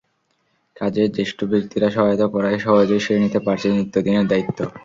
কাজে জ্যেষ্ঠ ব্যক্তিরা সহায়তা করায় সহজেই সেরে নিতে পারছি নিত্যদিনের দায়িত্ব।